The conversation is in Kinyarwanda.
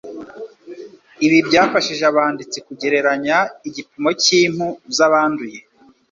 Ibi byafashije abanditsi kugereranya igipimo cy’impfu z’abanduye,